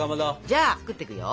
じゃあ作ってくよ。